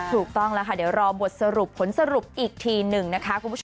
ถูกต้องแล้วค่ะเดี๋ยวรอบทสรุปผลสรุปอีกทีหนึ่งนะคะคุณผู้ชม